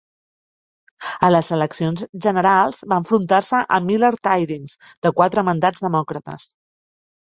A les eleccions generals, va enfrontar-se a Millard Tydings, de quatre mandats demòcrates.